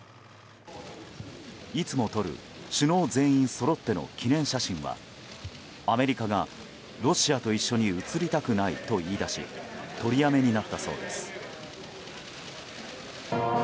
いつも撮る、首脳全員そろっての記念写真はアメリカが、ロシアと一緒に写りたくないと言い出し取りやめになったそうです。